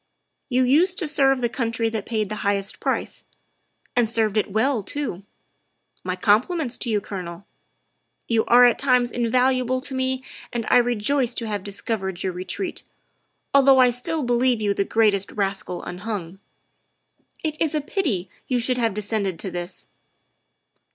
You used to serve the country that paid the highest price and served it well too. My compliments to you, Colonel. You are at times invaluable to me and I rejoice to have discovered your retreat, although I still believe you the greatest rascal unhung. It is a pity you should have descended to this.